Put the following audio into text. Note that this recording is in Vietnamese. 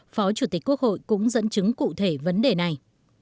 phó chủ tịch quốc hội cũng dẫn chứng cụ thể vấn đề này